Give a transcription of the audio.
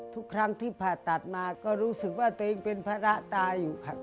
ทุกครั้งที่ผ่าตัดมาก็รู้สึกว่าเต็มเป็นพละตาอยู่ครับ